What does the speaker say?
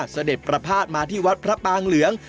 เสด็จประพาทมาที่วัดพระปางเหลือง